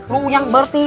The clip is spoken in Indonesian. lo yang bersih